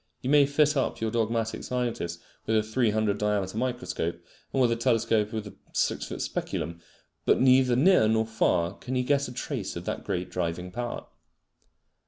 You may fit up your dogmatic scientist with a 300 diameter microscope, and with a telescope with a six foot speculum, but neither near nor far can he get a trace of that great driving power.